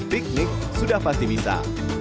piknik sudah pasti bisa